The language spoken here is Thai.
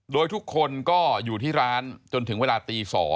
โดยทุกคนก็อยู่ที่ร้านจนถึงเวลาตี๒